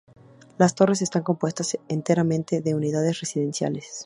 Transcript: Las torres están compuestas enteramente de unidades residenciales.